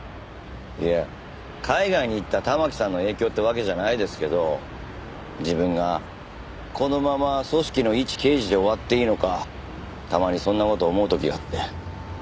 いや海外に行った環さんの影響ってわけじゃないですけど自分がこのまま組織のいち刑事で終わっていいのかたまにそんな事思う時があって。